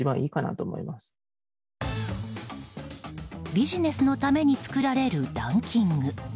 ビジネスのために作られるランキング。